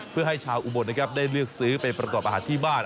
เพื่อให้ชาวอุบลนะครับได้เลือกซื้อไปประกอบอาหารที่บ้าน